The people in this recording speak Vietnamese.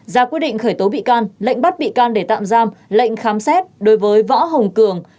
ra quyết định khởi tố bị can lệnh bắt bị can để tạm giam lệnh khám xét đối với võ hồng cường